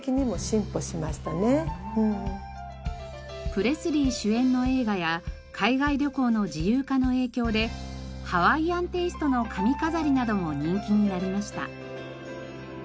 プレスリー主演の映画や海外旅行の自由化の影響でハワイアンテイストの髪飾りなども人気になりました。